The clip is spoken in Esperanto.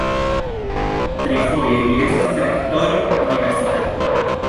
Trifoje li estis rektoro universitata.